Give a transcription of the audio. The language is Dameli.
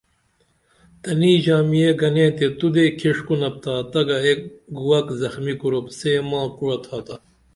تنی ژامیے گنے تے تو دے کھیڜ کُنپتا تگہ ایک گُووک زخمی کُروپ سے ما کوعہ تھاتا